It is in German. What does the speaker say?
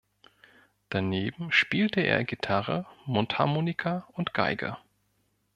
Daneben spielte er Gitarre, Mundharmonika und Geige.